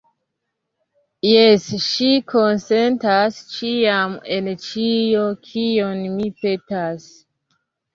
Jes, ŝi konsentas ĉiam en ĉio, kion mi petas.